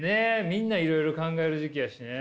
みんないろいろ考える時期やしね。